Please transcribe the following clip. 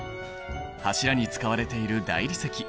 柱に使われている大理石。